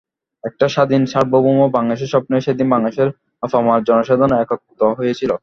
একটা স্বাধীন সার্বভৌম বাংলাদেশের স্বপ্নে সেদিন বাংলার আপামর জনসাধারণ একাত্ম হয়েছিল।